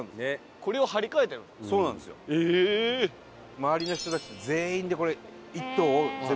周りの人たち全員でこれ１棟を全部。